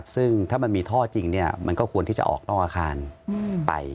ซึ่งถ้ามันมีท่อจริงมันก็ควรที่จะออกนอกอาคารไป